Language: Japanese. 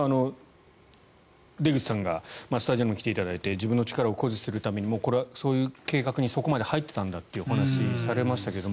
出口さんがスタジオにも来ていただいて自分の力を誇示するためにもこれはそういう計画にそこまで入っていたんだというお話をされましたけども。